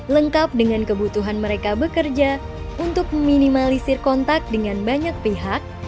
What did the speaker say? lengkap dengan kebutuhan mereka bekerja untuk meminimalisir kontak dengan banyak pihak